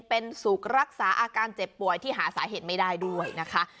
เป็นสุขรักษาอาการเจ็บป่วยที่หาสาเหตุไม่ได้ด้วยนะคะ